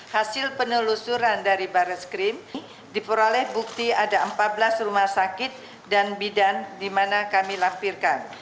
hasil penelusuran dari barreskrim diperoleh bukti ada empat belas rumah sakit dan bidan di mana kami lampirkan